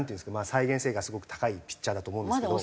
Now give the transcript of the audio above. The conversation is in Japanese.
再現性がすごく高いピッチャーだと思うんですけど。